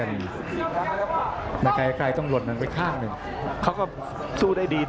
อัศวินาศาสตร์อัศวินาศาสตร์